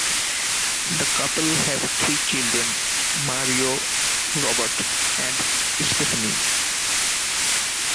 The couple have three children: Mario, Robert, and Stephanie.